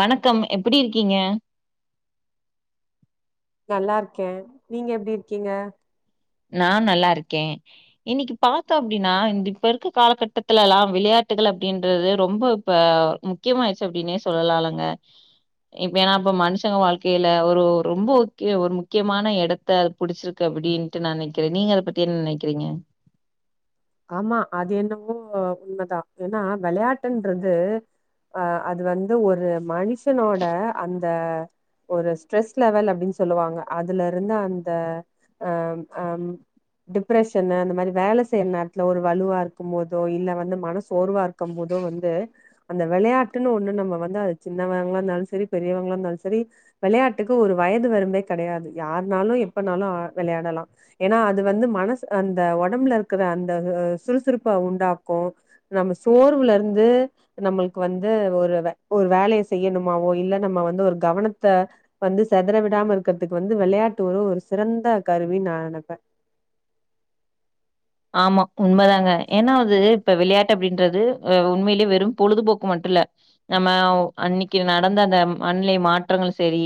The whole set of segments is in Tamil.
வணக்கம் எப்டி இருக்கீங்க நல்லாருக்கே நீங்க எப்டி இருக்கீங்க நா நல்லாருக்கே இன்னைக்கு பாத்தோ அப்டின்னா இந்த இப்ப இருக்க காலகட்டத்துலல்லா விளையாட் நாட்டுகள் அப்டின்றது ரொம்ப இப்ப முக்கியமாயிடுச்சு அப்டின்னே சொல்லலாலங்க இப்ப ஏன்னா அப்ப மனுஷங்க வாழ்க்கையில ஒரு ரொம்ப க்கிய ஒரு முக்கியமான எடத்த அது புடிச்சிருக்கு அப்படின் நா னைக்கிறே நீங்க அத பத்தி என்ன நெனைக்கிறீங்க ஆமா அது என்னவோ உண்மைதா ஏன்னா விளையாட்டுன்றது அ அது வந்து ஒரு மனுஷனோட அந்த ஒரு ஸ்ட்ரெஸ் லெவல் அப்டின் சொல்லுவாங்க அதுலருந்து அந்த அம் அம் டிப்ரெஷன்னு அந்த மாரி வேல செய் நே த்ல ஒரு வலுவா இருக்கும் போதோ இல்ல வந்து மனசோர்வா இருக்கம் போதோ வந்து அந்த வெளையாட்டுன்னு ஒன்னு நம்ப வந்து அது சின்னவங்களா இந்தாலு சரி பெரியவங்ளா இந்தாலு சரி வெளையாட்டுக்கு ஒரு வயது வரம்பே கெடையாது யார்னாலு எப்பனாலு அ வெளையாடலா ஏனா அது வந்து மனசு அந்த ஒடம்புல இருக்கற அ ந்தகு அ சுறுசுறுப்ப உண்டாக்கு நம்ம சோர்வுல இருந்து நம்மள்க்கு வந்து ஒ ரவ ஒரு வேலைய செய்யணுமாவோ இல்ல நம்ம வந்து ஒரு கவனத்த வந்து செதற விடாம இருக்கறதுக்கு வ ந்து வெளையாட்டு ஒரு ஒரு சிறந்த கருவின் நா நெனப்பே [inaudible] ஆமா உண்மதாங்க ஏனா அது இப்ப விளையாட்டு அப்டின்றது அ உண்மைலியே வெறும் பொழுதுபோக்கு மட்டு இல்ல நம்மவ் அன்னிக்கு நடந்த அந்த மன்நிலை மாற்றங்களு செரி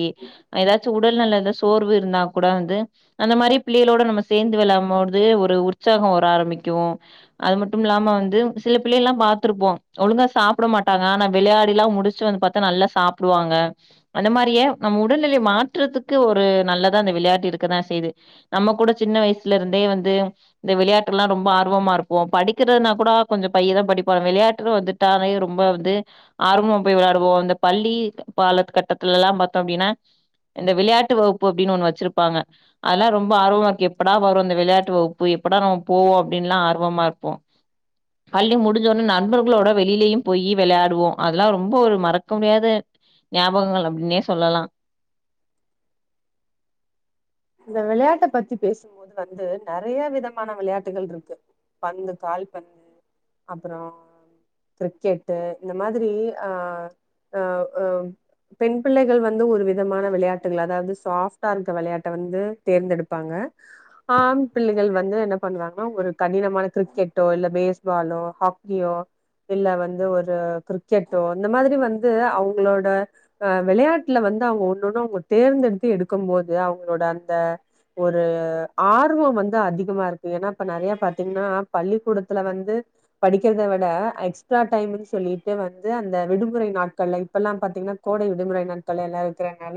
அ எதாச்சு உடல் நலத சோர்வு இருந்தா கூட வந்து அந்த மாரி பிள்ளைகளோட நம்ம சேந்து வெளாம் போடுது ஒரு உற் சாகோ வர ஆரம்மிக்கு அது மட்டுமில்லாம வந்து சில பிள்ளை எல்லாம் பாத்திருப்போம் ஒழுங்கா சாப்ட மா ட்டாங்க விளையாடில்லா முடிச்சு வந்து பாத்தா நல்லா சாப்டுவாங்க அந்த மாரியே நம் உடல்நிலை மாற் றத்துக்கு ஒரு நல்லதா இந்த விளையாட்டு இருக்குதா செய்து நம்ம கூட சின்ன வயசுல இருந்தே வந்து இந்த விளையாட்டெல்லா ரொம்ப ஆர்வமா இருப்போ படிக்கிறதுனா கூட கொஞ்சோ பைய தா படிப்போ ஆனா விளையாட்டுனு வந்துட்டாளே ரொம் ப வந்து ஆர்வமா போய் வெளாடுவோ இந்த பள்ளி க பாலத் கட்டத்துல எல்லாம் பாத்தோ அப்டினா இந்த விளையாட்டு வகுப்பு அப்டின் ஒன்னு வெச்சிருப்பாங்க அதல்லா ரொம்ப ஆர்வமாருக்கு எப்படா வரு அந்த விளையாட்டு வகு ப்பு எப்படா நம்ம போவோ அப்டின்லா ஆர்வமார்ப்போ பள்ளி முடிஞ்சொன்ன நண்பர்களோட வெளிலயும் போயி வெளையாடுவோ அதல்லா ரொம்ப ஒரு மறக்க முடியாத ஞாபகங்கள் அப்டின்னே சொல்லலா இந்த வெளையாட்ட பத்தி பேசும்போது வந்து நறைய விதமான விளையாட்டுகள்ருக்கு பந்து கால்பந்து அப்புறோ கிரிக்கெட்டு இந்த மாதிரி அ அவ் அம் பெண் பிள்ளைகள் வந்து ஒரு விதமான விளையாட்டுகள் அதாவ்து சாஃப்டாருக்க வெளையா ட்ட வந்து தேர்ந்தெடுப்பாங்க ஆண் பிள்ளைகள் வந்து என்ன பண்ணுவாங்கனா ஒரு கடினமான கிரிக்கெ ட்டோ இல்ல பேஸ் பாலோ ஹாக்கியோ இல்ல வந்து ஒரு கிரிக்கெட்டோ இந்த மாதிரி வந்து அவுங்களோட அ வெளையாட்ல வ ந்து அவுங்க ஒன்னொன்னு அவுங்க தேர்ந்தெடுத்து எடுக்கும் போது அவு களோட அந்த ஒரு ஆர்வோ வந்து அதிகமாருக்கு ஏனா இப்ப நறையா பாத்திங்ன்னா பள்ளிக்கூடத்துல வந்து படிக்கறத வட எக்ஸ்ட்ரா டைம்ன் சொல்லிட்டு வந்து அந்த விடுமுறை நாட்கள்ல இப்பெல்லாம் பாத்திங்ன்னா கோடை விடுமுறை நாட்கள் எல்லா இருக்கறனால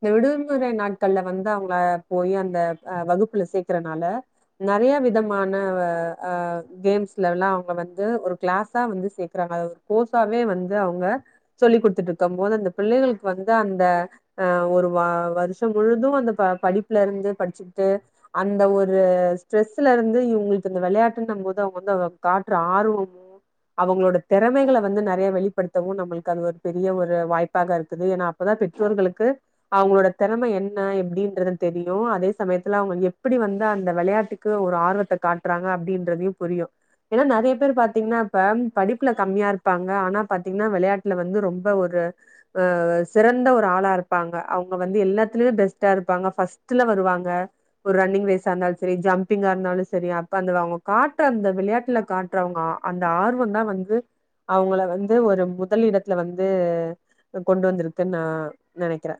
இந்த விடுமுறை நாட்கள்ல வ ந்து அவுங்க போயி அந்த அ வகுப்புல சேக்கறனால நறையா விதமான வ அ கேம்ஸ்லெல்லா அவுங்க வந்து ஒரு கிளாஸா வந்து சேக்றா அத ஒரு கோர்ஸாவே வந்து அவுங்க சொல்லி குடுத்துட்ருக்கம் போது அந்த பிள்ளைகளுக்கு வந்து அந்த அ அ ஒரு வா வருஷ முழுது அந்த ப படிப்புல இருந்து படிச்சுக்ட்டு அந்த ஒரு ஸ்ட்ரெஸ்ல இருந்து இவுங்குளுக்கு இந்த வெளையாட்ட ந போது அவுங்க வந்து அத காட்ற ஆர்வமு அவுங்களோட தெறமைகள வந்து நறைய வெளிப்படுத்தவு நம்மள்க்கு அது ஒரு பெரிய ஒரு வாய்ப்பாக இருக்குது ஏனா அப்பதா பெற்றோர்களுக்கு அவுங்களோட தெறம என்ன எப்டி ங்கிறதுன் தெரியு அதே சமயத்துல அவுங்க எப்பிடி வந்து அந்த வெளையாட்டுக்கு ஒரு ஆர்வத்த காட்றாங்க அப்டின்றதியு புரியு ஏனா நறைய பேரு பாத்திங்னா இப்ப படிப்புல கம்மியா இருப்பாங்க ஆனா பாத்திங்னா வெளையாட்ல வந் ரொம்ப ஒரு அ சிறந்த ஒரு ஆளா இருப்பாங்க அவுங்க வந்து எல்லாத்திலிமே பெஸ்ட்டாரு பாங்க ஃபஸ்டுல வருவாங்க ஒரு ரன்னிங் ரேஸா இருந்தாலு செரி ஜம்பிங்கா இருந்தாலு செரி அப்ப அந்த அவுங்க கா ட்ற அந்த விளையாட்ல காட்ற அவுங்க அ அந்த ஆர்வந்தா வந்து அவுங்கள வந்து ஒரு முதல் இடத்ல வந்து கொண்டு வந்திருக்குன் நா நெனைக்றே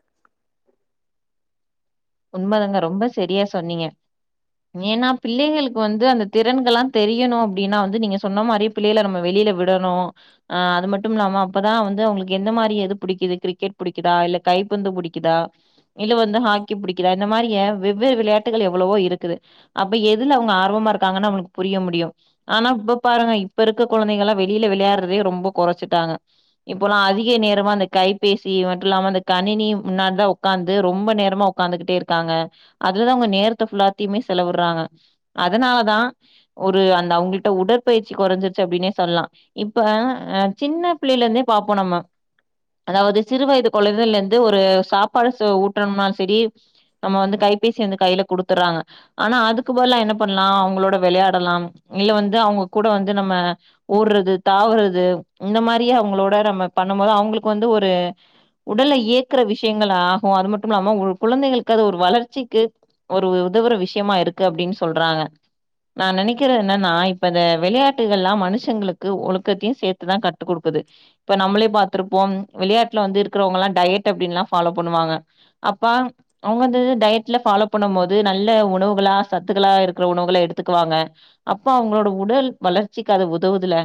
ண்மதாங்க ரொம்ப செரியா சொன்னீங்க ஏனா பிள்ளைகளுக்கு வந்து அந்த திறன்கள்லா தெரியணு அப்டினா வந்து நீங்க சொன்ன மாரி பிள்ளைகள நம்ம வெளி கீழ விடணு ஆ அது மட்டு இல்லாம அப்பதா வந்து அவங்களுக்கு எந்த மாரி எது புடிக்குது கிரிக்கெட் புடிக்குதா இல்ல கைப்பந்து புடிக்குதா இல்ல வந்து ஹாக் கி புடிக்குதா இந்த மாரிய வெவ்வேறு விளையாட்டுகள் எவ்வளவோ இருக்குது அப்ப எதுல அவங்க ஆர்வமா இருக்காங்கன்னு நமக் புரிய செய்ய முடியு ஆனா இப்ப பாருங்க இப்ப இருக்க குழந்தைங்கல்லா வெளியில விளையாட்றதே ரொம்ப கொறைச்சிட்டாங்க இப்போல்லா அதிக நேரமா அந்த கைபேசி மட்டு இல்லாம அந்த கணினி முன்னாடி தா உக்காந்து ரொம்ப நேரமா‌ உக் காந்துகிட்டே இருக்காங்க அதுலதா அவுங்க நேரத்தை ஃபுல்லாத்தையுமே செலவிட்றாங்க அதனாலதா ஒரு அந்த அவங்கள்ட்ட உடற்பயிற்சி குறைஞ்சிருச்சு அப்படின்னே சொல்லலா இப்ப சின்ன பிள்ளைல இருந்தே பா பாப்போ நம்ம அதாவது சிறு வயது குழந்தைலருந்து ஒரு சாப்பாடு ஊட்டணும்னாலு செரி நம்ம வந்து கைபேசி வந்து கையில குடுத்துறாங்க ஆனா அதுக்கு பதுல்லா என்ன பண்லா அவங்ளோட விளையாடலா ம் இல்ல வந்து அவங்க கூட வந்து நம்ம ஓட்றது தாவறது இந்த மாரியே அவங்களோட நம் ம பண்ணு போது அவுங்களுக்கு வந்து ஒரு உடலை இயக்குற விஷயங்கள் ஆகு அது மட்டு இல்லாம ஒழுக் குழந்தைகளுக்கு அது ஒரு வளர்ச்சிக்கு ஒரு உதவுற விஷயமா இருக்கு அப்டின் சொல்றாங்க நா நினைக்கறது என்னன்னா இப்பத விளையாட்டுகள் எல்லா மனுஷங்களுக்கு ஒழுக்கத்தையு சேர்த்துதா கட்டு குடுக் து இப்ப நம்மளே பாத்ருப்போ விளையாட்ல வந்து இருக்றவங்கால்லா டயட்டு அப்டின்லா ஃபாலோ பண்ணுவாங்க அப்ப அவுங்க வந்து டயட்ல ஃபாலோ பண்ணு போது நல்ல உணவுகளா சத்துக்களா இருக்குற உணவுகள எடுத்துக்குவாங்க அப்ப அவுங்களோட உடல் வளர்ச்சிக்கு அத உதவுதுல்ல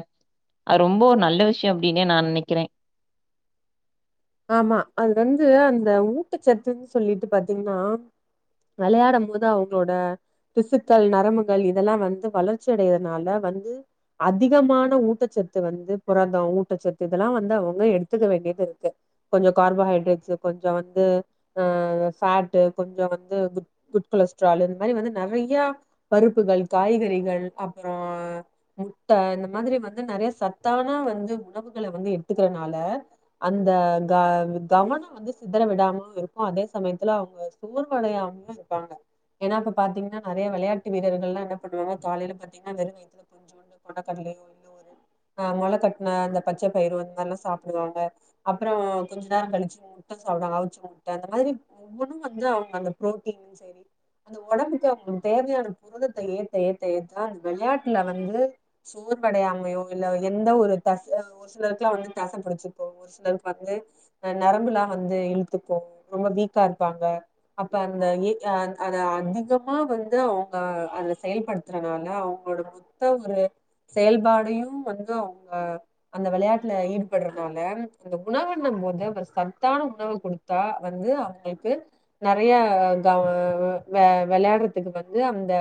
அது ரொம்போ ஒரு நல்ல விஷய அப்டினே நா நினைக்கிறே ஆமா அது வந்து அந்த ஊட்டச்சத்துன்னு சொல்லிட்டு பாத்தீங்கன்னா வெளயாடும் போது அவுங்ளோட திசுக்கள் நரம்புகள் இதெல்லா வந்து வளர்ச்சி அடையறனால வந்து அதிகமான ஊட்டச்சத் த்து வந்து புரத ஊட்டச்சத்து இதெல்லா வந்து அவங்க எடுத்துக்க வேண்டியது இருக் கொஞ்சோ கார்போஹைட்ரேட்ஸ்ஸு கொஞ்சோ வந்து ஆ ஃபேட்டு கொஞ்சோ வந்து குட் கொலஸ் ட்ராலு இந்த மாரி வந்து நெறையா பருப்புகள் காய்கறிகள் அப்புறோ முட்ட இந்த மாதிரி வந்து நெறைய சத்தான வந்து உணவுகளை வந்து எடுத்துக்கறனால அந்த க கவனம் வந்து சிதர விடாம இருக்கு அதே சமயத்துல அவங்க சோர்வடையா இன்னு இருப்பாங்க ஏன்னா இப்ப பாத்தீங்கன்னா நறைய விளையாட்டு வீரர்கள் எல்லா என்னா பண்ணுவாங்க காலையில பாத்தீங்கன்னா வெறும் வயத்துல கொஞ்சோண்ட் கொண்டக்கடலையோ இல்ல ஒரு ஆ முளக்கட்ன அந்த பச்ச பயிரு அந்த மாரிலா சாப்டுவாங்க அப்றோ கொஞ்ச நேர கழிச்சு முட்ட சாப்டுவாங்க அவிச்சு முட்ட அந்த மாதிரி ஒவ்வொன்னு வந்து அவுங்க அந்த புரோட்டின் ம் செரி அந்த உடம்புக்கு அவுங்களுக்கு தேவையான புரதத்தை ஏத்த ஏத்த ஏத்த அந்த விளையாட்ல வந்து சோ ர்வடையாமையோ இல்ல எந்த ஒரு தச ஒரு சிலருக்கெல்லா வந்து தசை புடிச்சுக்கு ஒரு சி லருக்கு வந்து நரம்புலா வந்து இழுத்துக்கோ ரொம்ப வீக்கா இருப்பாங்க அப்ப அந்த அத அதிகமா வந்து அவங்க அத செயல்படுத்துறனால அவ் [unintelligible] செயல்பாடையு வந்து அவ்ங்க அந்த விளையாட்ல ஈடுபட்றவங்க அந்த உணவுன்னும் போது ஒரு சத்தான உணவு கொடுத்தா வந்து அவங்களுக்கு நனைய [unintelligible] விளையாட்றதுக்கு வந்து அந்த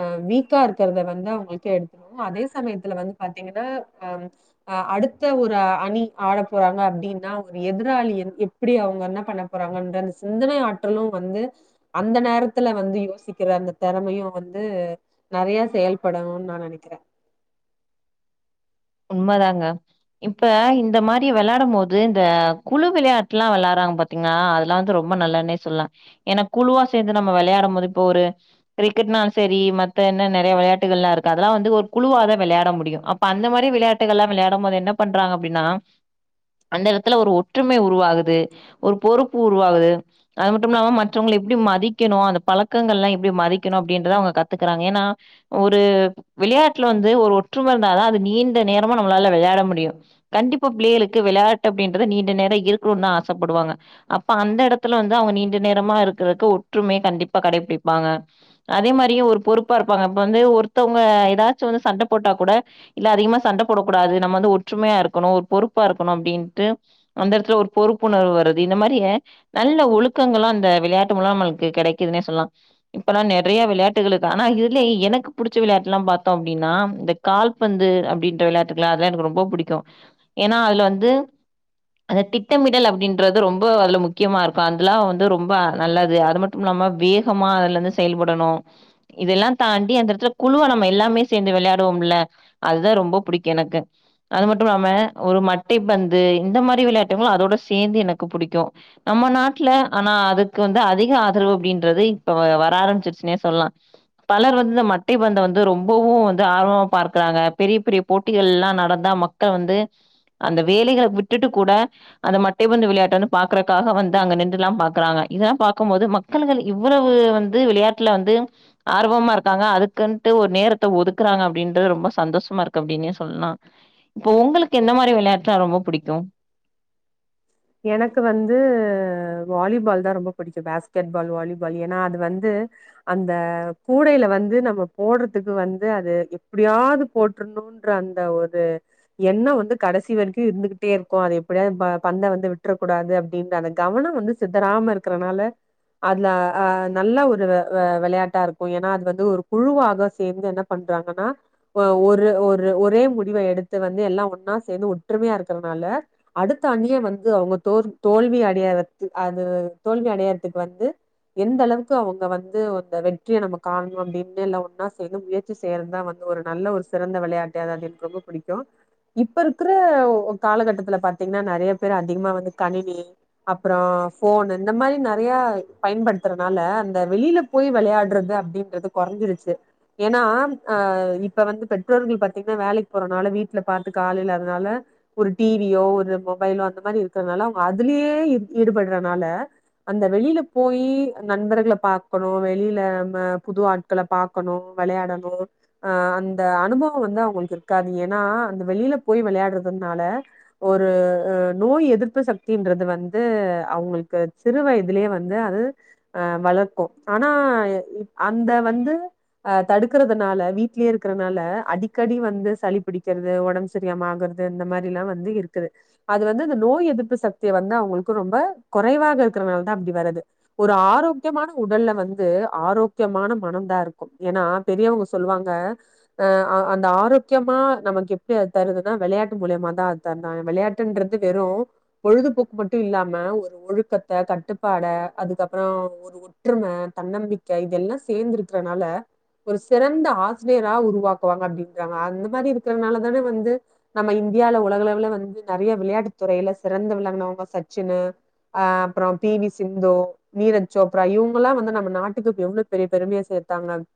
அ வீக்கா இருக்கிறத வந்து அவங்களுக்கு எடுத்துருவோ அதே சமயத்துல வந்து பாத்தீங்கன்னா அ அடுத்த ஒரு அணி ஆடப் போறாங்க அப்டின்னா ஒரு எதிராளி எப்டி அவங்க என்ன பண்ண போறாங்கன்ற அந்த சிந்தனை ஆற்றலு வந்து அந்த நேரத்துல வந்து யோசிக்கிற அந்த திறமையு வந்து நிறைய செயல்படணு நா நினைக்கிறே [unintelligible] உண்ம தாங்க இப்ப இந்த மாரி வெளாடும் போது இந்த குழு விளையாட்ல்லா வெளாட்ற பாத்தீங்கன்னா அதெல்லா வந்து ரொம்ப நல்லன்னே சொல்லலா ஏன்னா குழுவா சேந்து நம்ம வெளாட போது இப்ப ஒரு கிரிக்கெட்னாலு சரி மத் என்ன நிறைய விளையாட்டுகள் இருக்கு அதெல்லா வந்து ஒரு குழுவாக தா விளையாட முடியு அப்ப அந்த மாதிரி விளையாட்டுகள்ல்லாம் விளையாடும் போது என்ன பண்றாங்க அப்டின்னா அந்த எடத்துல ஒரு ஒற்றுமை உருவாகுது ஒரு பொறுப்பு உருவாகுது அது மட்டு இல்லாம மற்றவங்கள எப்டி மதிக்கணு அந்த பழக்கங்கள்லா எப்டி மதிக்கணு அப்படின்றத அவ்ங்க கத்துக்கறாங்க ஏனா ஒரு விளையாட்டுல வந்து ஒரு ஒற்றும இருந்தா தா அது நீண் ட நேரமா நம்மளால வெளையாட முடியு கண்டிப்பா பிள்ளைகளுக்கு விளையாட்டு அப்டின்றது நீண்ட நேரோ இருக்கணுந்தா ஆசப்படு வாங்க அப்ப அந்த எடத்துல வந்து அவுங்க நீண்ட நேரமா இருக்கறக்கு ஒற்றுமைய கண்டிப்பா கடைபிடிப்பாங்க அதே மாரியு ஒரு பொறுப்பாருப்பாங்க இப்ப வந்து ஒருத்தவங்க ஏதாச்சு வந்து சண்ட போட்டா கூட இல்ல அதிகமா சண்ட போடக்கூடாது நம்ம வந்து ஒற்றுமையா இருக்கணு ஒரு பொறுப்பா இருக்கணு அப்டின்ட்டு அந்த எடத்துல ஒரு பொறுப்புணர்வு வ றது இந்த மாரியே நல்ல ஒழுக்கங்களு அந்த விளையாட்டு மூலம் நம்ளுக்கு கெடைக்குதுன்னே சொல்லலா இப்பெல்லா நே நெறையா வெளையாட்டுகளு இருக் ஆனா இதிலே எனக்கு புடிச்ச விளையாட்டுல்லா பாத்தோ அப்டின்னா இந்த கால்பந்து அப்டின் ட்டு வெளையாட்டுகள்ல்லா அதெல்லா எனக்கு ரொம்போ புடிக்கு ஏனா அதுல வந்து அந்த திட்டமிடல் அப்டின்றது ரொம்போ அதுல முக்கியமா இருக்கு அந்தெல்லா வந்து ரொம்ப நல்லது அது மட்டு இல்ல மா வேகமா அதுலருந்து செயல்படணு இதெல்லா தாண்டி அந்தெடத்துல குழுவ நம்ம எல்லாமே சேந்து வெளை யாடுவமில்ல அது தா ரொம்போ புடிக்கு எனக்கு அது மட்டுமில்லாம ஒரு மட்டை பந்து இந்த மாரி விளையாட்டுங்களு அதோட சேந்து எனக் புடிக்கு நம்ம நாட்ல ஆனா அதுக்கு வந்து அதிக ஆதரவு அப்டின்றது இப்ப வ வர ஆரம்பிச்சிருச்சு னே சொல்லா பலர் வந்து இந்த மட்டை பந்த வந்து ரொம்பவு வந்து ஆர்வமா பார்க்கிறாங்க பெரிய பெரிய போட்டிகள்ல்லா நடந்தா மக்கள் வந்து அந்த வேலைகள விட்டுட்டு கூட அந்த மட்டை பந்து விளையாட்ட வந்து பாக்குறக்காக வந்து அங்க நின்றுல்லா பாக்குறாங்க இதல்லா பாக்கும்போது மக்களுகள் இவ்வளவு வந்து விளையாட்டுல வந்து ஆர்வமா இருக்காங்க அதுக்கின் த்து ஒரு நேரத்த ஒதுக்குறாங்க அப்டின்றது ரொம்ப சந்தோஷமா இருக் கு அப்டின்னே சொல்லா இப்ப உங்களுக்கு எந்த மாரி வெளையாட்ல்லா ரொம்ப புடிக்கு எனக்கு வந்து வாலிபால் தா ரொம்ப புடிக்கு பேஸ்கெட் பால் வாலிபால் ஏனா அது வந்து அந்த கூடைல வந்து நம்ம போட்றதுக்கு வந்து அது எப்டியாவ்து போட்ற ணு அந்த ஒரு எண்ண வந்து கடசி வரைக்கு இருந்துகிட்டேருக்கு அது எப்டியாத் ப பந்த வந் து விட்றக்கூடாது அப்டின் அந்த கவன வந்து சித்தராம இருக்கறனால அதுல அ நல்ல ஒரு வெ வெளையாட்டாருக்கு ஏனா அது வந்து ஒரு குழுவாக சேர்ந்து என்ன பண் றாங்கன்னா ஒரு ஒரு ஒரே முடிவ எடுத்து வந்து எல்லா ஒன்னா சேந்து ஒற்றுமையா இருக்கறனால அடுத் தன்னிய வந்து அவுங்க தோர் தோல்வி அடையறத்து அது தோல்வி அடையறதுக்கு வந்து எந்தளவுக்கு அவுங்க வந்து அந்த வெற்றிய நம்ம காண்ணு அப்டின்னு எல்லா ஒன்னா சேந்து முயற்சி செய்யறத்தா வந் ஒரு நல்ல ஒரு சிறந்த விளையாட்டு அதாவ்து எனக் ரொம்ப புடிக்கு இப்ப இருக்கிற ஒ காலகட்டத்துல பாத்தீங்ன்னா நெறைய பேர் அதிகமா வந்து கணினி அப்றோ போனு இந்த மாரி நெறையா பயன்படுத்றனால அந்த வெளில போய் வெளையாட்றது அப்டின்றது குறஞ்சிருச்சு ஏனா அ இப்ப வந்து பெற்றோர்கள் பாத்தீங்ன்னா வேலைக்கு போறனால வீட்ல பாத்துக்க ஆள் இல்லாதனால ஒரு டீ வி யோ ஒரு மொபைலோ அந்த மாரி இருக்கறனால அவுங்க அதுலியே இ ஈடுபட்றனால அந்த வெளில போயி நண்பர்கள பாக்கணு வெளில நம்ம புது ஆட்கள பாக்கணு வெளையாடணு அ அந்த அனுபவோ வந்து அவ்ங்ளுக்கு இருக்காது ஏனா அந்த வெளில போய் வெளையாட்றது னால ஒரு நோய் எதிர்ப்பு சக்தின்றது வந்து அவுங்களுக்கு சிறு வயதிலேயே வந்து அது அ வ ளக்கு ஆனா அந்த வந்து அ தடுக்கறதுனால வீட்லேயே இருக்கறனால அடிக்கடி வந்து சளி பிடிக்கிறது ஒடம்ப் செரியமா ஆகற து இந்த மாரில்லா வந்து இருக்குது அது வந்து நோய் எதிர்ப்பு சக்திய வந்து அவுங்ளுக்கு ரொம்ப குறைவாக இருக்கறனால தா அப்டி வருது ஒரு ஆரோக்கியமா ன உடல்ல வந்து ஆரோக்கியமான மனம் தா இருக்கு ஏனா பெரியவங்க சொல்லுவாங்க அ அந்த ஆரோக்கியமா நமக்கு எப்ப அது தருதுன்னா வெளையாட்டு மூலியமா தா அது தன்ன வெளையாட்ன்ற து வெறு பொழுதுபோக்கு மட்டு இல்லாம ஒரு ஒழுக்கத்த கட்டுப்பாட அதுக்கப்றோ ஒரு ஒற்றும தன்னம்பிக்கை இதெல்லா சேந்திருக்கிறனால ஒரு சிறந்த ஆசிரியரா உருவாக்குவாங்க அப்டின்றாங்க அந்த மாரி இருக்கறனாலதானே வந்து நம்ம இ ந்தியால உலகளவுல வந்து நெறையா வெளையாட்டு துறையில சிறந்து விளங்கினவங்க சச்சினு ஆ அப்றோ பி வி சிந்து நீரஜ் சோப்ரா இவங்கல்லா வந்து நம்ம நாட்டுக்கு எவ்ளோ பெரிய பெருமைய சேர் தன்னத்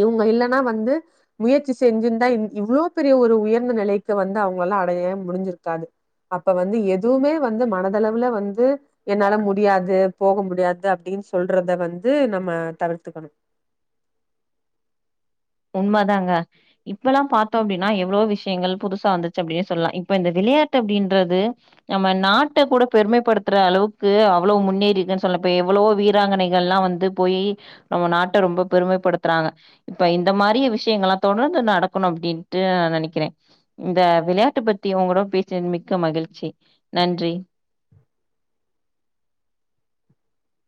இவங்க இல்லன்னா வந்து முயற்சி செஞ்சிருந்தா இவ்ளோ பெரிய ஒரு உயர்ந்த நிலைக்கு வந்து அவங்க ல்லா அடையவே முடிஞ்சிருக்காது அப்ப வந்து எதுவுமே வந்து மனதளவுல வந்து என்னால முடியாது போக முடியாது அப்டின்னு சொல்றத வந்து நம்ம தவிர்த்துக்கணு [inaudible] உண்ம தாங்க இப்பெல்லா பாத்தோ அப்டின்னா எவ்ளோ விஷயங்கள் புதுசா வந்துச்சு அப்டின்னு சொல்லா இப்ப இந்த விளையாட் டு அப்டின்றது நம்ம நாட்ட கூட பெருமைப்படுத்துற அளவுக்கு அவ்ளோ முன்னேறிக்குனு சொல்லா இப்போ எவ் ளோ வீராங்கனைகள் எல்லா வந்து போய் நம்ம நாட்ட ரொம்ப பெருமப்படுத்துறாங்க இப்ப இந் இந்த மாரிய விஷயங்கள் எல்லா தொடர்ந்து நடக்கணு அப்டின்ட்டு நெனைக்கிறே இந்த விளையாட்டுப் பத்தி உங்கூ பேசன் மிக்க மகிழ்ச்சி நன்றி [inaudible]